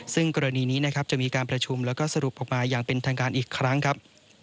ซึ่งกรณีนี้นะครับจะมีการประชุมแล้วก็สรุปออกมาอย่างเป็นทางการอีกครั้งครับ